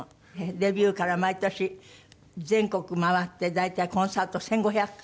デビューから毎年全国回って大体コンサート１５００回？